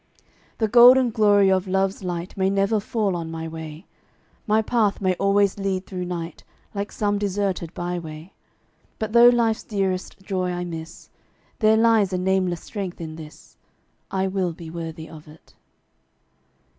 The golden glory of Love's light May never fall on my way; My path may always lead through night, Like some deserted by way; But though life's dearest joy I miss There lies a nameless strength in this I will be worthy of it.